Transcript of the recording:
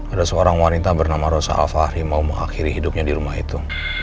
ada seorang wanita bernama rosa alfahri mau mengakhiri hidupnya di rumah itu